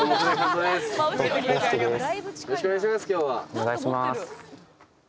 お願いします。